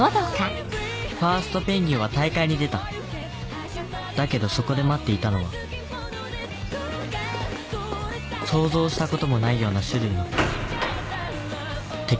ファーストペンギンは大海に出ただけどそこで待っていたのは想像したこともないような種類の敵